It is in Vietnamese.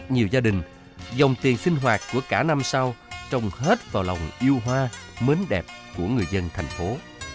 nhiều gia đình dòng tiền sinh hoạt của cả năm sau trồng hết vào lòng yêu hoa mến đẹp của người dân thành phố